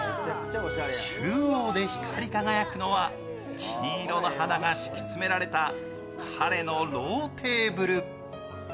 中央で光り輝くのは、金色の花が敷き詰められたＫＡＲＥのローテーブル。